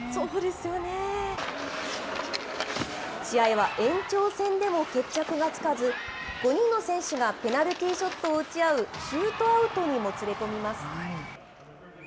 試合は延長戦でも決着がつかず、５人の選手がペナルティーショットを打ち合う、シュートアウトにもつれ込みます。